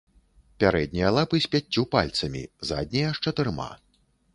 Пярэднія лапы з пяццю пальцамі, заднія з чатырма.